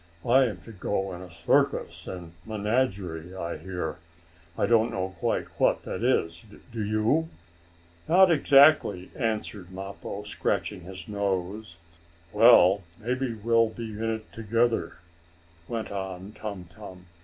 I am to go in a circus and menagerie, I hear. I don't quite know what that is, do you?" "Not exactly," answered Mappo, scratching his nose. "Well, maybe we'll be in it together," went on Tum Tum.